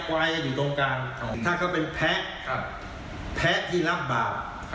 วายจะอยู่ตรงกลางถ้าเขาเป็นแพ้แพ้ที่รับบาป